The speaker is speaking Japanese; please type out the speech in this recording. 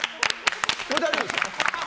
これ、大丈夫ですか？